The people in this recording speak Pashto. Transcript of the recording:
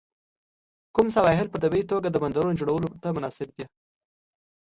کوم سواحل په طبیعي توګه د بندرونو جوړولو ته مناسب دي؟